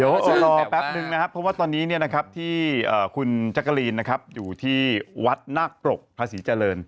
เดี๋ยวรอแป๊บนึงนะครับเพราะว่าตอนนี้ที่คุณจักรีนนะครับอยู่ที่วัดนาคปรกพระศรีเจริญ